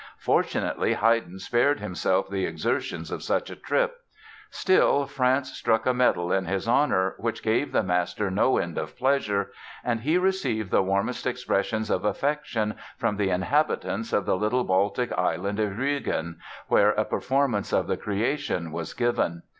Fortunately, Haydn spared himself the exertions of such a trip. Still, France struck a medal in his honor, which gave the master no end of pleasure; and he received the warmest expressions of affection from the inhabitants of the little Baltic island of Rügen, where a performance of "The Creation" was given.